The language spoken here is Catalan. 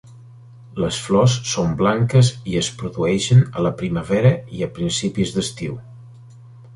Les flors són blanques i es produeixen a la primavera i a principis d'estiu.